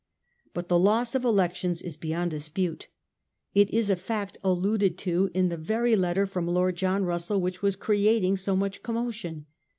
But the loss of elections is beyond dispute. It is a fact alluded to in the very letter from Lord John Russell which was creating so much commotion.